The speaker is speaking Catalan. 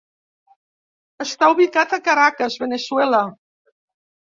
Està ubicat a Caracas, Veneçuela.